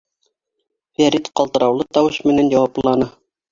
— Фәрит ҡалтыраулы тауыш менән яуапланы.